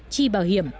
chi bảo hiểm